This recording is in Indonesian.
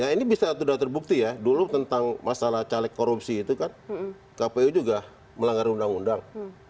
nah ini bisa sudah terbukti ya dulu tentang masalah caleg korupsi itu kan kpu juga melanggar undang undang